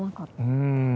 うん。